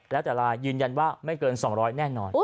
แล้วแต่ลายยืนยันว่าไม่เกิน๒๐๐แน่นอน